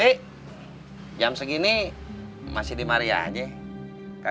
eh jam segini masih di maria aja